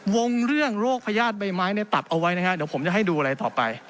วงเรื่องโรคพญาติใบไม้เนี่ยตัดเอาไว้นะฮะเดี๋ยวผมจะให้ดูอะไรต่อไป